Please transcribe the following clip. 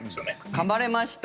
かまれました。